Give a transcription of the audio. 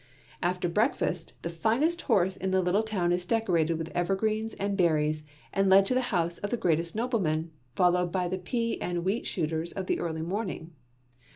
After breakfast, the finest horse in the little town is decorated with evergreens and berries and led to the house of the greatest nobleman, followed by the pea and wheat shooters of the early morning.